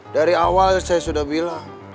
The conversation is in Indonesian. dari awal saya sudah bilang